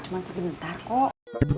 cuma sebentar kok